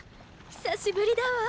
久しぶりだわ。